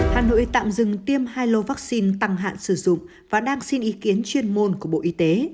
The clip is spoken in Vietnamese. hà nội tạm dừng tiêm hai lô vaccine tăng hạn sử dụng và đang xin ý kiến chuyên môn của bộ y tế